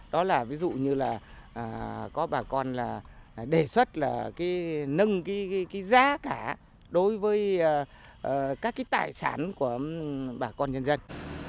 đó là ví dụ như là có bà con là đề xuất là nâng cái giá cả đối với các cái tài sản của bà con nhân dân